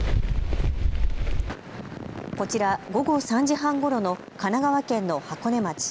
こちら午後３時半ごろの神奈川県の箱根町。